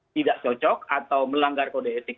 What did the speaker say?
tidak cocok atau melanggar kode etik